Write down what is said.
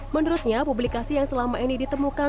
menurutnya publikasi yang selama ini ditemukan